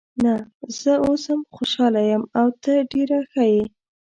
نه، زه اوس هم خوشحاله یم او ته ډېره ښه یې.